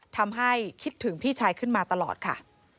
ทำให้คิดถึงพี่ชายขึ้นมาตลอดค่ะ